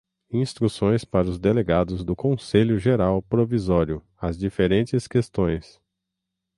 Instruções para os Delegados do Conselho Geral Provisório. As Diferentes Questões